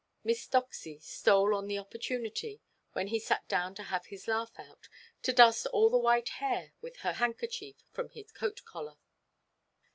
Miss Doxy stole on the opportunity, when he sat down to have his laugh out, to dust all the white hair with her handkerchief from his coat–collar.